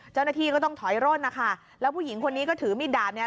เจ้าหน้าที่ก็ต้องถอยร่นนะคะแล้วผู้หญิงคนนี้ก็ถือมีดดาบเนี่ย